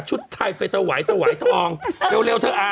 ชุดไทยไปตะไหวตะไหวตะอองเร็วเธออ่า